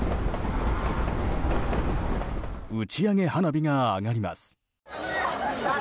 打ち上げ花火が上がります。